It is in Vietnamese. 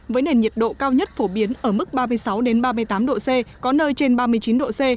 với nền nhiệt độ cao nhất phổ biến ở mức ba mươi sáu ba mươi tám độ c có nơi trên ba mươi chín độ c